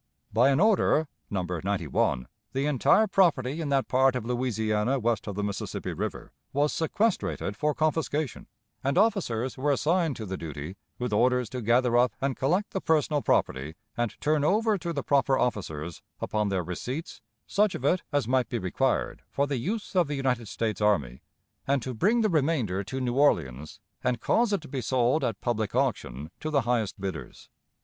By an order (No. 91), the entire property in that part of Louisiana west of the Mississippi River was sequestrated for confiscation, and officers were assigned to the duty, with orders to gather up and collect the personal property, and turn over to the proper officers, upon their receipts, such of it as might be required for the use of the United States army; and to bring the remainder to New Orleans, and cause it to be sold at public auction to the highest bidders.